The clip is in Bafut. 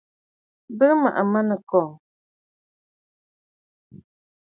Bɨ maʼa manɨkàŋə̀.